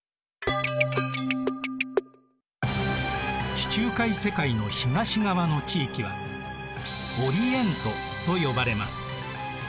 地中海世界の東側の地域はオリエントと呼ばれます。